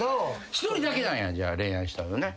１人だけなんやじゃあ恋愛したのはね。